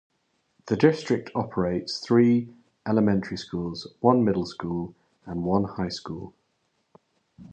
The district operates three elementary schools, one middle school, and one high school.